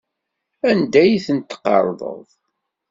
Anda ay ten-tqerḍeḍ?